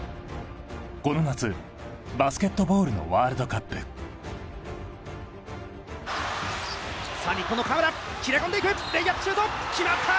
この夏バスケットボールのワールドカップさあ日本の河村切れ込んでいくレイアップシュート決まった！